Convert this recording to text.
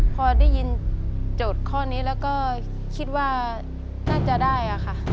พอได้ยินโจทย์ข้อนี้แล้วก็คิดว่าน่าจะได้ค่ะ